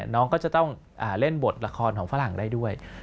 น้องก็จะต้องเล่นบทละครของฝรั่งได้ด้วย